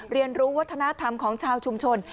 เรียนรู้วัฒนธรรมของชาวชุมชน